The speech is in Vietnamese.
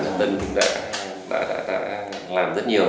tân cũng đã làm rất nhiều